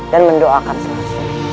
dan mendoakan selasi